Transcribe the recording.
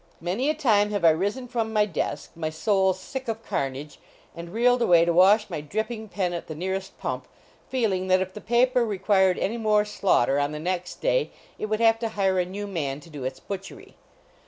Many a time have I risen from my desk, my soul sick of carnage, and reeled away to wash my dripping pen at the nearest pump, feeling that if the paper required any more slaughter on the next day, it would have to hire a new man to do its butchery.